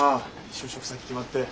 就職先決まって。